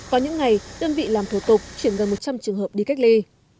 có những ngày đơn vị làm thủ tục chuyển gần một trăm linh trường hợp đi cách ly